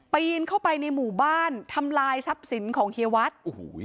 ปีนเข้าไปในหมู่บ้านทำลายทรัพย์สินของเฮียวัด